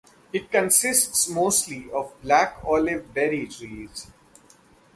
It consists mostly of Black Olive Berry trees.